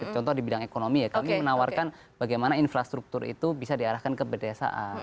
contoh di bidang ekonomi ya kami menawarkan bagaimana infrastruktur itu bisa diarahkan ke pedesaan